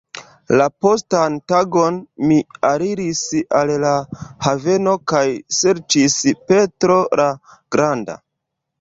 La postan tagon mi aliris al la haveno kaj serĉis "Petro la Granda".